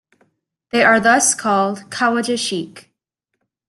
They are thus called "Khawaja Sheikh".